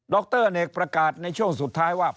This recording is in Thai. รเนกประกาศในช่วงสุดท้ายว่า